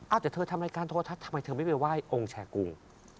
เอาแต่เธอทำรายการโทรทัศน์ทำไมเธอไม่ไปไหว้องค์แชร์กรุง